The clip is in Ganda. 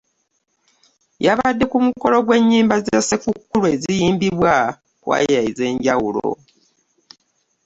Yabadde ku mukolo gw'ennyimba za Ssekukkulu eziyimbibwa kkwaya ez'enjawulo